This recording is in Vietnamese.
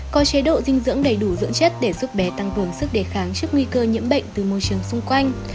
có chế độ dinh dưỡng đầy đủ dưỡng chất để giúp bé tăng cường sức đề kháng trước nguy cơ nhiễm bệnh từ môi trường xung quanh